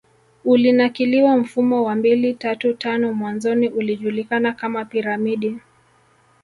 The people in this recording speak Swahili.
ulinakiliwa Mfumo wa mbili tatu tano mwanzoni ulijulikana kama Piramidi